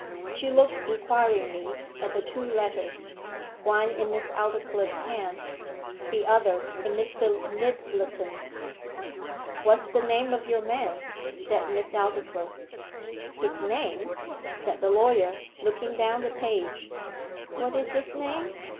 She looked inquiringly at the two letters one in Miss Aldclyffe's hand, the other in Mr. Nyttleton's. 'What is the name of your man?' said Miss Aldclyffe. 'His name ' said the lawyer, looking down the page; 'what is his name?